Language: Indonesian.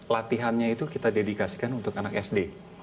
latihannya itu kita dedikasikan untuk anak sd